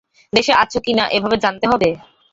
দেশে আছো কিনা এভাবে জানতে হবে?